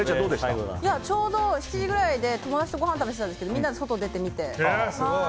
ちょうど７時くらいで友達とご飯食べてたんですけど外でて、見て。